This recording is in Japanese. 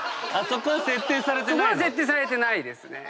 そこは設定されてないですね。